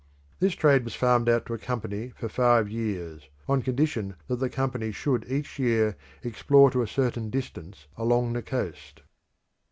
This trade was farmed out to a company for five years, on condition that the company should each year explore to a certain distance along the coast.